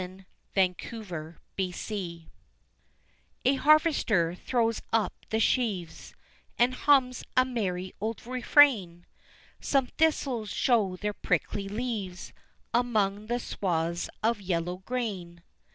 ] An Etching A harvester throws up the sheaves, And hums a merry old refrain, Some thistles show their prickly leaves Among the swaths of yellow grain.